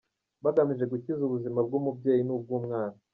bagamije gukiza ubuzima bw’umubyeyi n’ubw’umwana